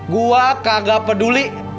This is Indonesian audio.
gua kagak peduli